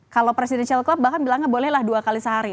kalau presiden shell club bahkan bilangnya boleh lah dua kali sehari